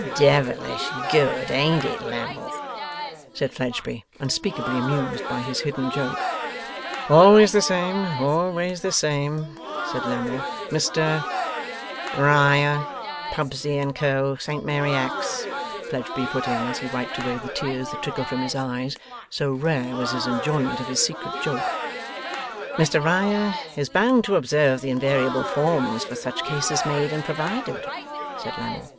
'Devilish good, ain't it, Lammle?' said Fledgeby, unspeakably amused by his hidden joke. 'Always the same, always the same!' said Lammle. 'Mr ' 'Riah, Pubsey and Co. Saint Mary Axe,' Fledgeby put in, as he wiped away the tears that trickled from his eyes, so rare was his enjoyment of his secret joke. 'Mr Riah is bound to observe the invariable forms for such cases made and provided,' said Lammle.